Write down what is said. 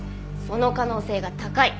その可能性が高い。